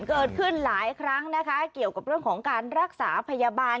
เกิดขึ้นหลายครั้งนะคะเกี่ยวกับเรื่องของการรักษาพยาบาล